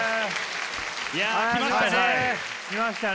いや来ましたね。